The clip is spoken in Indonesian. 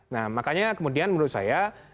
nah makanya kemudian menurut saya